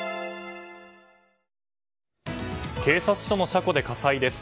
警察署の車庫で火災です。